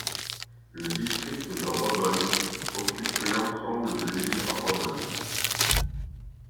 Le district de Rebun occupe l'ensemble de l'île Rebun.